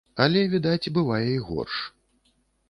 Але, відаць, бывае і горш.